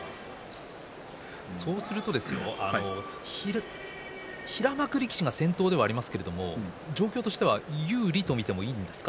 そうすると平幕力士が先頭ではありますけれど状況としては有利と見てもいいんですか？